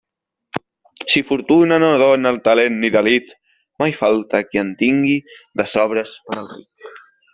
Si fortuna no dóna talent ni delit, mai falta qui en tingui de sobres per al ric.